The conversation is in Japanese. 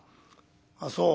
「あっそう。